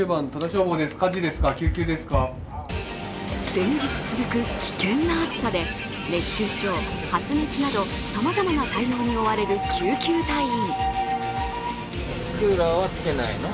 連日続く危険な暑さで熱中症、発熱などさまざまな対応に追われる救急隊員。